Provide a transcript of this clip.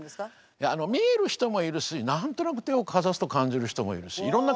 いやあの見える人もいるし何となく手をかざすと感じる人もいるしいろんな感じ方があります。